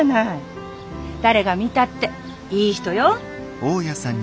誰が見たっていい人よ。